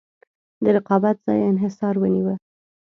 د رقابت ځای انحصار ونیوه.